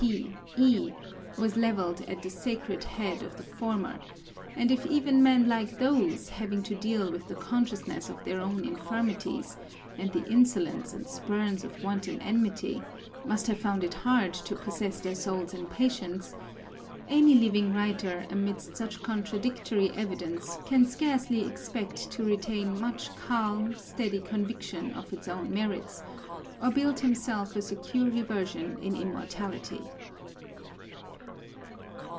P. E.1 was levelled at the sacred head of the former ; and if even men like these, having to deal with the consciousness of their own infirmities and the insolence and spurns of wanton enmity, must have found it hard to possess their souls in patience, any living writer amidst such contradictory evidence can scarcely expect to retain much calm steady conviction of his own merits, or build himself a secure reversion in immortality.